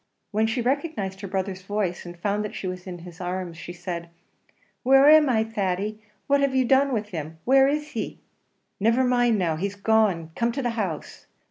When she recognised her brother's voice, and found that she was in his arms, she said, "Where am I, Thady? What have you done with him? Where is he?" "Never mind now. He's gone come to the house."